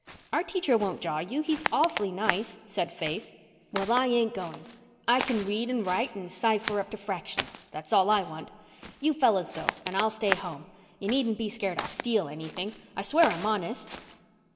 "Our teacher won't jaw you. He is awfully nice," said Faith. "Well, I ain't going. I can read and write and cipher up to fractions. That's all I want. You fellows go and I'll stay home. You needn't be scared I'll steal anything. I swear I'm honest."